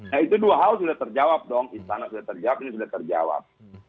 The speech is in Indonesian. nah itu dua hal sudah terjawab dong istana sudah terjawab ini sudah terjawab